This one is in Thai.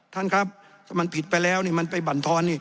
ท่านครับถ้ามันผิดไปแล้วมันไปบั่นท้อน